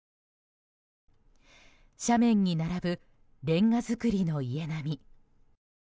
斜面に並ぶレンガ造りの家並み。